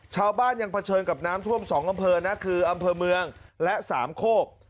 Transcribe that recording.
ชาวบ้านยังเผชิญกับน้ำท่วม๒อำเภอนะคืออำเภอเมืองและสามโคก